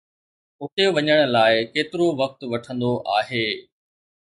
اتي وڃڻ لاء ڪيترو وقت وٺندو آهي؟